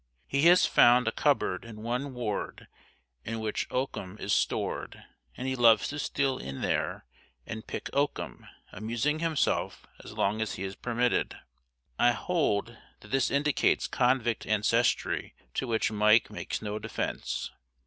He has found a cupboard in one ward in which oakum is stored, and he loves to steal in there and "pick oakum", amusing himself as long as is permitted. I hold that this indicates convict ancestry to which Mike makes no defence.